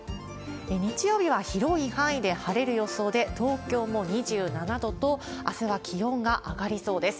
日曜日は広い範囲で晴れる予想で、東京も２７度と、あすは気温が上がりそうです。